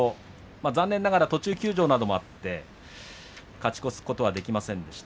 残念ながら途中休場などもあって勝ち越すことはできませんでした。